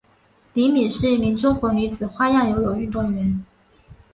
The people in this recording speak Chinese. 李敏是一名中国女子花样游泳运动员。